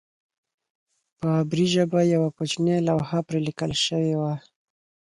په عبري ژبه یوه کوچنۍ لوحه پرې لیکل شوې وه.